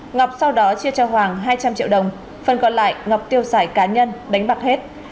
ngọc sau đó chia cho hoàng hai trăm linh triệu đồng phần còn lại ngọc tiêu xài cá nhân đánh bạc hết